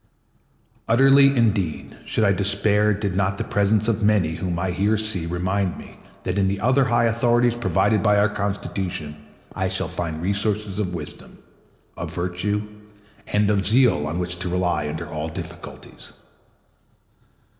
Utterly, indeed, should I despair did not the presence of many whom I here see remind me that in the other high authorities provided by our Constitution I shall find resources of wisdom, of virtue, and of zeal on which to rely under all difficulties.